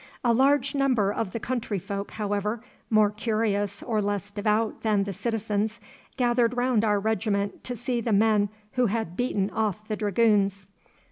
A large number of the countryfolk, however, more curious or less devout than the citizens, gathered round our regiment to see the men who had beaten off the dragoons.